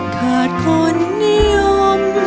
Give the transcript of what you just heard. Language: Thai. ขาดคนนิยม